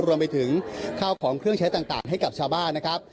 รวมไปถึงข้าวของเครื่องใช้ต่างให้กับชาวบ้านนะครับ